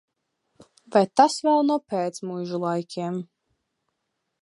Vai tas vēl no pēcmuižu laikiem.